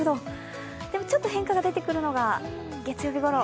でもちょっと変化が出てくるのが月曜日ごろ。